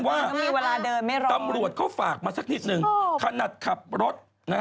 ไหมเนี่ยตัวจริงอ้ะไปกลางคืนมันก็จะเดินได้ยาวขึ้นไง